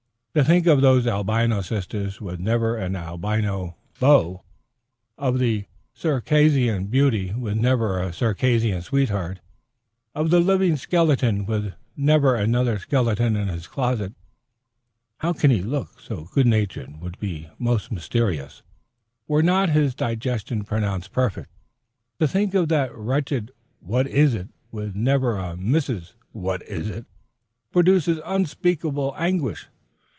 To think of those Albino sisters with never an Albino beau, of the Circassian beauty with never a Circassian sweetheart, of the living skeleton with never another skeleton in his closet (how he can look so good natured would be most mysterious, were not his digestion pronounced perfect), to think of the wretched What is it with never a Mrs. What is it, produces unspeakable anguish.